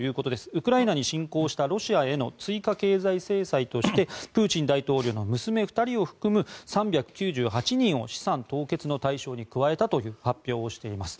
ウクライナに侵攻したロシアへの追加経済制裁としてプーチン大統領の娘２人を含む３９８人を資産凍結の対象に加えたという発表をしています。